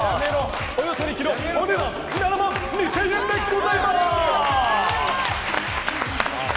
およそ２ｋｇ、お値段７万２０００円でございます！